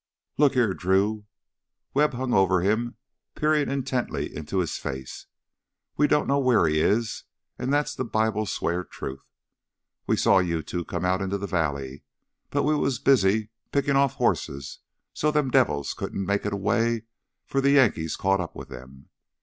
"Looky heah, Drew" Webb hung over him, peering intently into his face "we don't know wheah he is, an' that's Bible swear truth! We saw you two come out into the valley, but we was busy pickin' off hosses so them devils couldn't make it away 'fore the Yankees caught up with 'em.